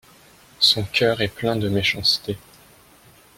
Son cœur est plein de méchanceté.